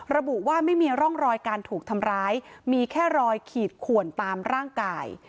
ระบุว่าไม่มีร่องรอยการถูกทำร้ายมีแค่รอยขีดขวนตามร่างกาย